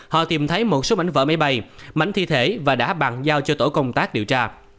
họ tìm thấy một số mảnh vỡ máy bay mảnh thi thể và đã bàn giao cho tổ công tác điều tra